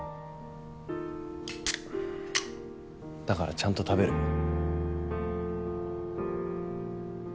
だからちゃんと食べる。